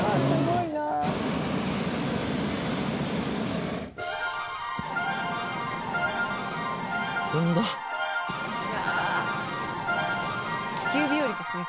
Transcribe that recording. いやあ気球日和ですね。